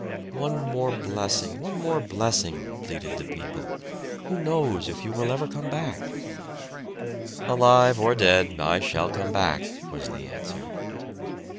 "One more blessing! one more blessing!" pleaded the people, "who knows if you will ever come back?" "Alive or dead, I shall come back," was the answer.